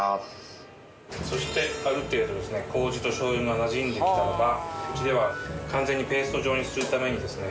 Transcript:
そしてある程度ですね麹としょう油がなじんできたらばうちでは完全にペースト状にするためにですね